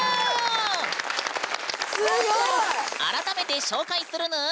改めて紹介するぬん。